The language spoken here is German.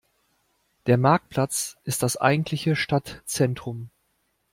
Der Marktplatz ist das eigentliche Stadtzentrum.